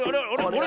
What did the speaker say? あれ？